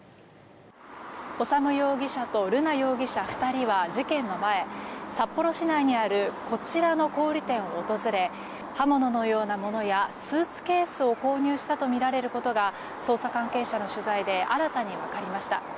修容疑者と瑠奈容疑者２人は事件の前札幌市内にあるこちらの小売店を訪れ刃物のようなものやスーツケースを購入したとみられることが捜査関係者の取材で新たに分かりました。